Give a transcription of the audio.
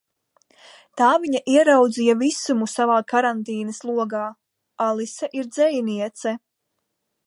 Tā viņa ieraudzīja Visumu savā karantīnas logā. Alise ir dzejniece.